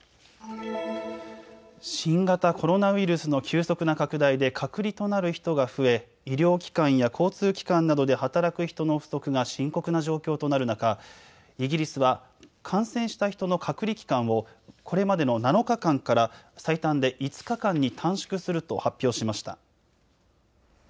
新型コロナウイルスの急速な拡大で隔離となる人が増え医療機関や交通機関などで働く人の不足が深刻な状況となる中、イギリスは感染した人の隔離期間をこれまでの７日間から最短で５日間に短縮すると発表しました。